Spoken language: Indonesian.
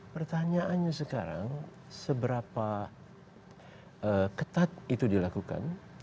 pertanyaannya sekarang seberapa ketat itu dilakukan